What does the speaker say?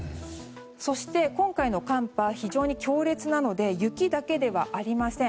そして、今回の寒波は非常に強烈なので雪だけではありません。